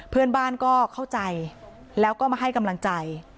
เพื่อนบ้านก็เข้าใจแล้วก็มาให้กำลังใจ